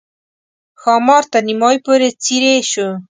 ښامار تر نیمایي پورې څېرې شو.